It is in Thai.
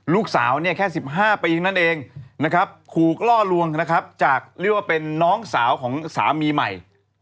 ลูกสาวนี่แค่๑๕ปีถึงนั่นเองขู่ล่อลวงจากเรียกว่าเป็นน้องสาวของสามีใหม่